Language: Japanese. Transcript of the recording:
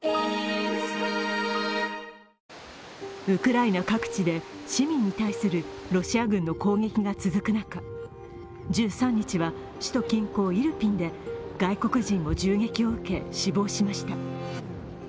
ウクライナ各地で市民に対するロシア軍の攻撃が続く中１３日は首都近郊イルピンで外国人も銃撃を受け死亡しました。